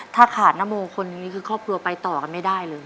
ถ้าขาดนโมคนอย่างนี้คือครอบครัวไปต่อกันไม่ได้เลย